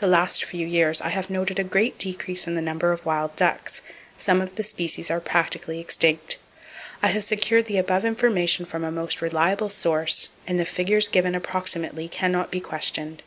The last few years I have noted a great decrease in the number of wild ducks; some of the species are practically extinct. I have secured the above information from a most reliable source, and the figures given approximately cannot be questioned.